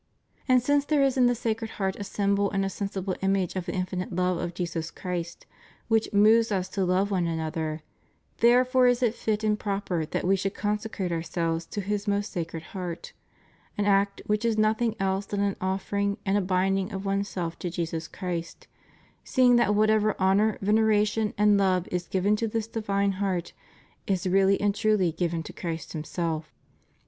And since there is in the Sacred Heart a symbol and a sensible image of the infinite love of Jesus Christ which moves us to love one another, therefore is it fit and proper that we should consecrate ourselves to His most Sacred Heart — an act which is nothing else than an offering and a binding of one's self to Jesus Christ, seeing that whatever honor, veneration, and love is given to this divine Heart is really and tmly given to Christ Himself.